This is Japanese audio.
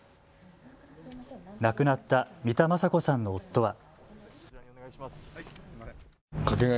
亡くなった三田昌子さんの夫は。